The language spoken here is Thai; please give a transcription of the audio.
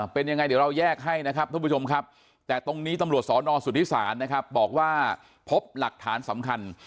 เป็นยังไงเดี๋ยวเราแยกให้นะครับทุกผู้ชมครับแต่ตรงนี้ตำรวจสอนอสุทธิศาลนะครับบอกว่าพบหลักฐานสำคัญ